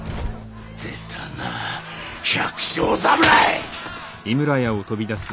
出たな百姓侍！